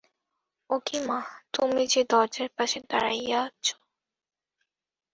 ও কি মা, তুমি যে দরজার পাশে দাঁড়াইয়া আছ!